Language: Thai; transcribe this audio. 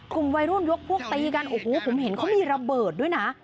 กลุ่มวัยรุ่นยกพวกตีกันโอ้โหผมเห็นเขามีระเบิดด้วยนะ